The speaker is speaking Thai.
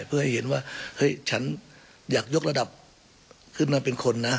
เพื่อให้เห็นว่าเฮ้ยฉันอยากยกระดับขึ้นมาเป็นคนนะ